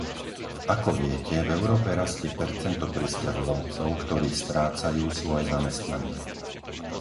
Ako viete, v Európe rastie percento prisťahovalcov, ktorí strácajú svoje zamestnanie.